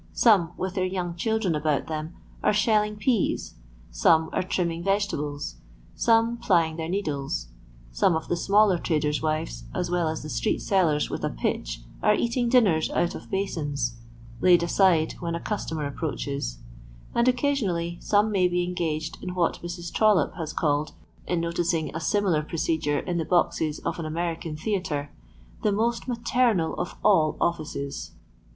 Some, with their young children about them, are sbellipg peas; some arc trimming vegetables; some plying their needles ; some of the smaller traders' wives, as well as the street sellers with a "pitch, are eating dinners out of basins (laid aside when a customer approaches), and occasion ally some may be engaged in what Mrs. Trollope has called (in noticing a similar procedure in the boxea of an American theatre) "the most maternal of all offices."